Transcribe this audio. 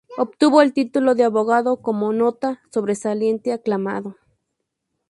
Obtuvo el título de abogado con nota "sobresaliente aclamado".